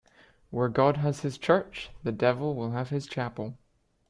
Where God has his church, the devil will have his chapel.